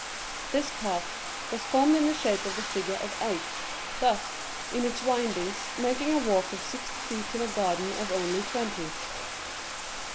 This path was formed in the shape of the figure of 8, thus, in its windings, making a walk of sixty feet in a garden of only twenty.